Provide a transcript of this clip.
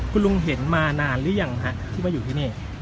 คุณลุงเห็นมานานหรือยังฮะที่มาอยู่ที่นี่